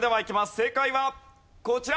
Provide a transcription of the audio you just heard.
正解はこちら。